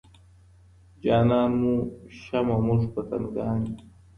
جانان مو شمع موږ پتنګان یو